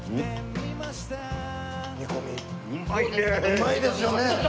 うまいですよね。